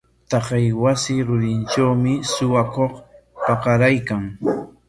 Taqay wasi rurintrawmi suwakuq pakaraykan.